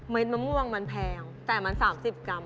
เม็ดมะม่วงมันแพงมันว่าง